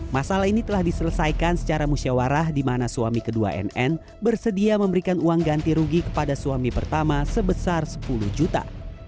masalah ini telah diselesaikan secara musyawarah di mana suami kedua nn bersedia memberikan uang ganti rugi kepada suami pertama sebesar sepuluh juta